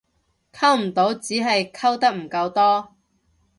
溝唔到只係溝得唔夠多